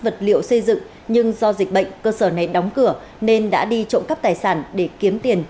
vật liệu xây dựng nhưng do dịch bệnh cơ sở này đóng cửa nên đã đi trộm cắp tài sản để kiếm tiền